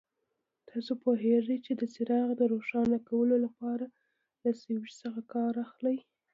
تاسو پوهېږئ چې د څراغ د روښانه کولو لپاره له سویچ څخه کار اخلي.